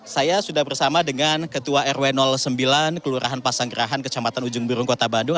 saya sudah bersama dengan ketua rw sembilan kelurahan pasanggerahan kecamatan ujung birung kota bandung